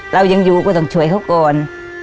เรายังอยู่ก็ต้องช่วยเขาก่อน